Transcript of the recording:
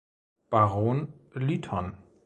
Baron Lytton.